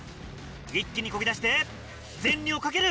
一気にこぎ出して前輪を掛ける！